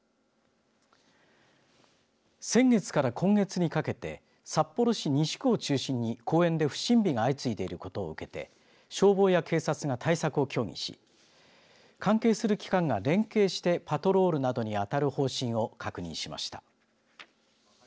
先月から今月にかけて札幌市西区を中心に公園で不審火が相次いでいることを受けて消防や警察が対策を協議し関係する機関が連携してパトロールなどにあたる方針を確認しました。